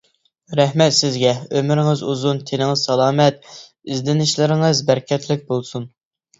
رەھمەت سىزگە، ئۆمرىڭىز ئۇزۇن، تېنىڭىز سالامەت، ئىزدىنىشلىرىڭىز بەرىكەتلىك بولسۇن!